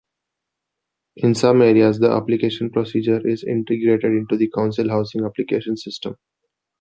In some areas the application procedure is integrated into the council housing application system.